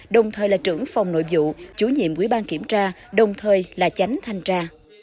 đồng thời là trưởng phòng nội dụ chủ nhiệm quý bang kiểm tra đồng thời là chánh thanh tra